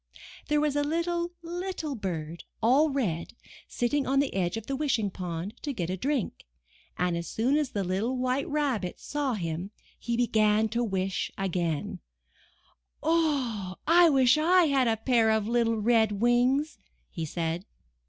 There was a little, little bird, all red, sitting on the edge of the Wishing Pond to get a drink, and as soon as the IS2 I N THE NURSERY little White Rabbit saw him he began to wish again: ''Oh, I wish I had a pair of little red wings!'* he said.